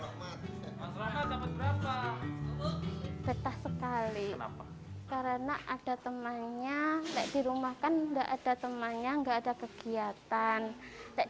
karena ada temannya di rumah kan tidak ada temannya tidak ada kegiatan